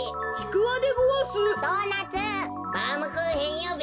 バウムクーヘンよべ！